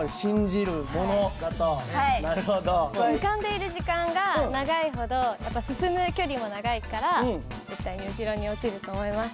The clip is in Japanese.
浮かんでいる時間が長いほどやっぱり進む距離も長いから絶対に後ろに落ちると思います。